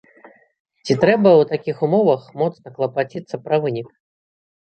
Ці трэба ў такіх умовах моцна клапаціцца пра вынік?